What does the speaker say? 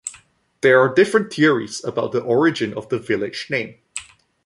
There are different theories about the origin of the village name.